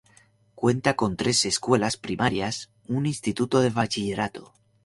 Cuenta con tres escuelas primarias, un instituto de bachillerato.